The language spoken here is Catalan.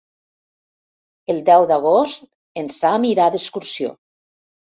El deu d'agost en Sam irà d'excursió.